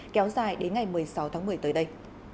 kéo dài đến ngày một mươi sáu tháng một mươi tới đây